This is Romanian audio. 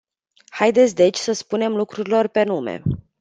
Haideți deci să spunem lucrurilor pe nume.